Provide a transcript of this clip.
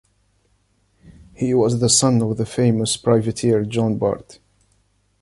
He was the son of the famous privateer Jean Bart.